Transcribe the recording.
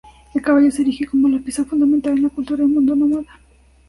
El caballo se erige como la pieza fundamental en la cultura y mundo nómada.